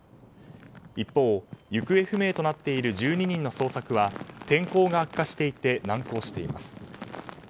一方、行方不明となっている１２人の捜索は天候が悪化していて難航しています。